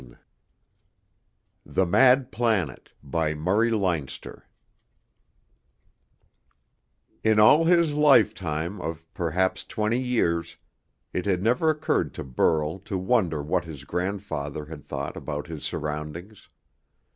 pgdp.net THE MAD PLANET by Murray Leinster The Argosy June 12, 1920 In All His lifetime of perhaps twenty years, it had never occurred to Burl to wonder what his grandfather had thought about his surroundings.